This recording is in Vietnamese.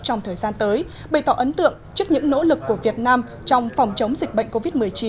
trong thời gian tới bày tỏ ấn tượng trước những nỗ lực của việt nam trong phòng chống dịch bệnh covid một mươi chín